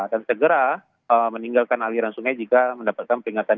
dan segera meninggalkan aliran sungai jika mendapatkan peringatan